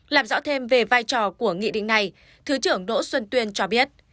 làm rõ thêm về vai trò của nghị định này thứ trưởng đỗ xuân tuyên cho biết